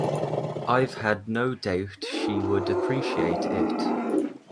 I've no doubt she would appreciate it.